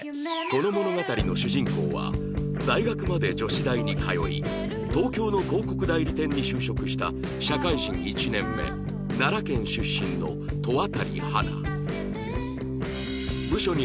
この物語の主人公は大学まで女子大に通い東京の広告代理店に就職した社会人１年目奈良県出身の戸渡花